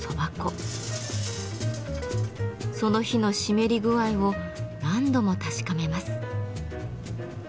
その日の湿り具合を何度も確かめます。